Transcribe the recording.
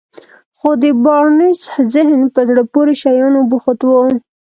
خو د بارنس ذهن په زړه پورې شيانو بوخت و.